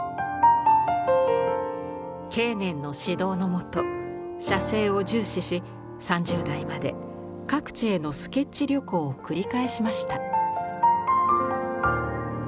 景年の指導のもと写生を重視し３０代まで各地へのスケッチ旅行を繰り返しました。